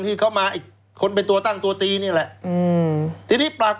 ที่เขามาคนไปตัวตั้งตัวตีนี่แหละ